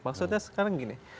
maksudnya sekarang gini